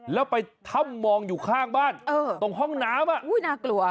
แล้วไปท่ำมองอยู่ข้างบ้านตรงห้องน้ำ